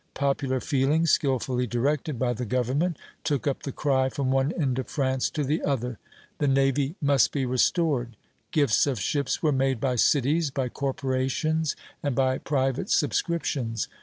"Popular feeling, skilfully directed by the government, took up the cry from one end of France to the other, 'The navy must be restored.' Gifts of ships were made by cities, by corporations, and by private subscriptions.